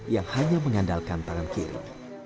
yang hanya mengandalkan tangan kiri